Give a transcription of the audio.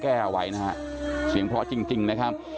เราก็ตามหาจนเจอนะครับทุกผู้ชมครับตอนนี้แชร์กันในโลกโซเชียลเยอะมากนะฮะ